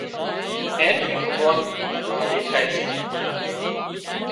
اين ٿِي ڀڳوان راضي ٿائي سي